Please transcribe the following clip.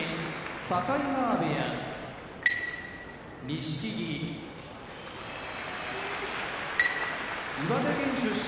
境川部屋錦木岩手県出身